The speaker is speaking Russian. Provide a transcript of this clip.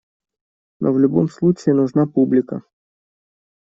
Но в любом случае нужна публика.